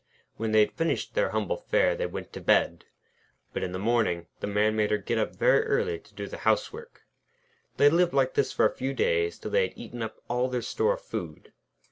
When they had finished their humble fare, they went to bed. But in the morning the Man made her get up very early to do the housework. They lived like this for a few days, till they had eaten up all their store of food.